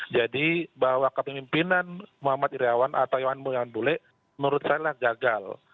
jadi bahwa kepemimpinan muhammad irawan atau iwan bule menurut saya gagal